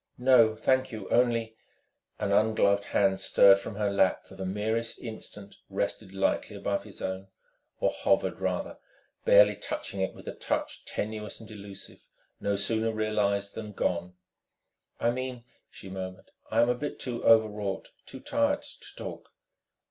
"No, thank you, only ..." An ungloved hand stirred from her lap and for the merest instant rested lightly above his own, or hovered rather, barely touching it with a touch tenuous and elusive, no sooner realised than gone. "I mean," she murmured, "I am a bit too overwrought, too tired, to talk."